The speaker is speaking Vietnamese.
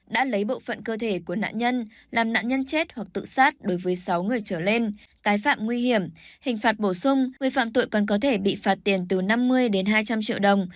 đã lấy bộ phận cơ thể của nạn nhân làm nạn nhân chết hoặc tự sát đối với sáu người trở lên tái phạm nguy hiểm hình phạt bổ sung người phạm tội còn có thể bị phạt tiền từ năm mươi đến hai trăm linh triệu đồng